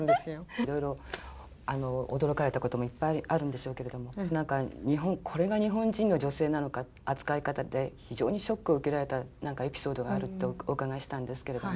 いろいろ驚かれたこともいっぱいあるんでしょうけれども何かこれが日本人の女性なのか扱い方で非常にショックを受けられたエピソードがあるとお伺いしたんですけれども。